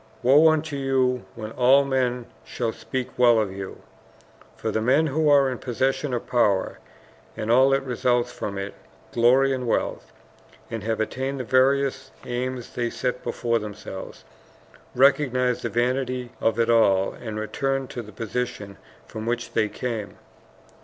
woe unto you when all men shall speak well of you!" For the men who are in possession of power and all that results from it glory and wealth and have attained the various aims they set before themselves, recognize the vanity of it all and return to the position from which they came.